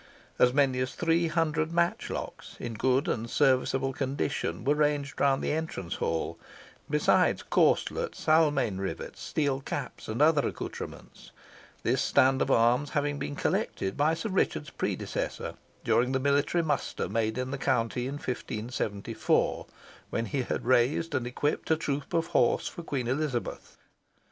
As many as three hundred matchlocks, in good and serviceable condition, were ranged round the entrance hall, besides corselets, Almayne rivets, steel caps, and other accoutrements; this stand of arms having been collected by Sir Richard's predecessor, during the military muster made in the country in 1574, when he had raised and equipped a troop of horse for Queen Elizabeth.